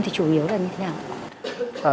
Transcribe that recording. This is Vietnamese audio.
thì chủ yếu là như thế nào